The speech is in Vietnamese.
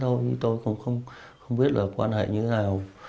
thế thôi tôi cũng không biết là quan hệ như thế nào